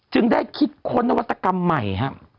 จึงได้คิดค้นนวัตกรรมใหม่